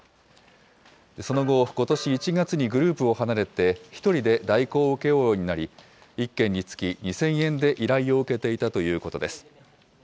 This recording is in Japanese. その後、ことし１月にグループを離れて、１人で代行を請け負うようになり、１件につき２０００円で依頼を受けていたということです。